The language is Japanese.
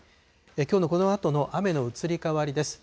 きょうのこのあとの雨の移り変わりです。